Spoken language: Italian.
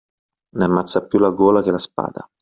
Ne ammazza più la gola che la spada.